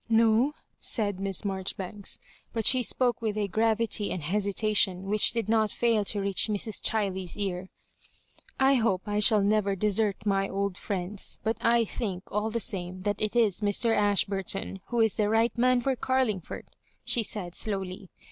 " No,'' said Miss Maijoribauks— but she spoke with a gravity and hesitation which did not fail to reach Mrs. Chiley's ear —" I hope I shall never desert my old friends ; but I think all the same that it is Mr. Ashburton who is the right man for Carlingford," she said, slowly.